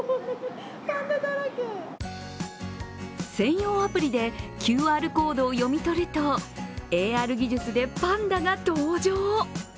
専用アプリでＱＲコードを読み取るとＡＲ技術でパンダが登場。